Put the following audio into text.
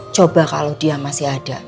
coba kalau dia masih ada